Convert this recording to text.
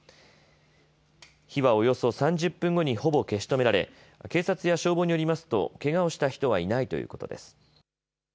火はおよそ３０分後にほぼ消し止められ警察や消防によりますと、けがをした人はいないということです。